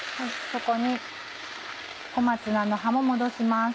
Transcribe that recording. そこに小松菜の葉も戻します。